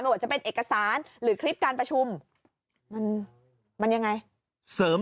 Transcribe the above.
ว่าจะเป็นเอกสารหรือคลิปการประชุมมันมันยังไงเสริม